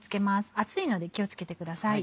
熱いので気を付けてください。